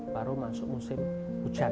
baru masuk musim hujan